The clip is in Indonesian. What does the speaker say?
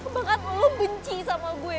bahkan lu benci sama gue